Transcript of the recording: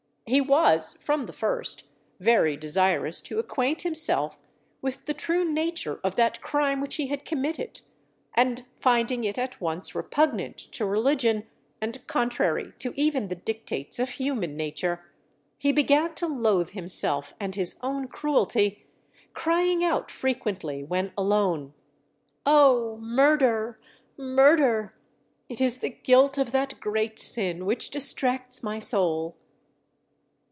He was, from the first, very desirous to acquaint himself with the true nature of that crime which he had committed, and finding it at once repugnant to religion, and contrary to even the dictates of human nature, he began to loath himself and his own cruelty, crying out frequently when alone. _Oh! Murder! Murder! it is the guilt of that great sin which distracts my soul.